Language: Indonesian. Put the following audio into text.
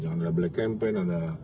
jangan ada black campaign